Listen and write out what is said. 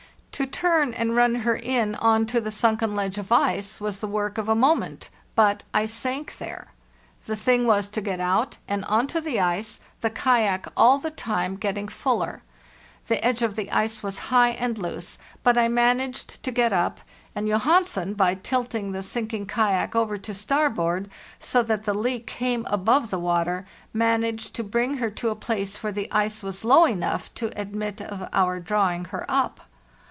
To turn and run her in on to the sunken ledge of ice was the work of a moment, but I sank there. The thing was to get out and on to the ice, the kayak all the time getting fuller. The edge of the ice was high and loose, but I managed to get up; and Johansen, by tilting the sinking kayak over to starboard, so that the leak came above the water, managed to bring her to a place where the ice was low enough to admit of our drawing her up.